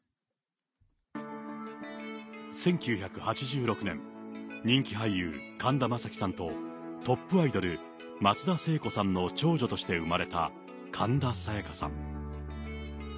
１９８６年、人気俳優、神田正輝さんとトップアイドル、松田聖子さんの長女として生まれた神田沙也加さん。